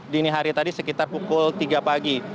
dini hari tadi sekitar pukul tiga pagi